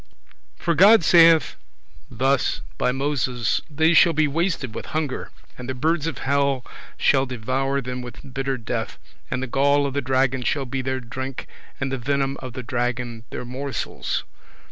For God saith thus by Moses, "They shall be wasted with hunger, and the birds of hell shall devour them with bitter death, and the gall of the dragon shall be their drink, and the venom of the dragon their morsels."